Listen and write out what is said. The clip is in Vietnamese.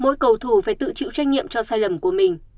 mỗi cầu thủ phải tự chịu trách nhiệm cho sai lầm của mình